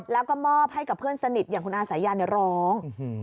แล้วก็มอบให้กับเพื่อนสนิทอย่างคุณอาสายาร้อง